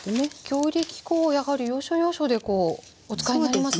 強力粉をやはり要所要所でお使いになりますね小菅さん。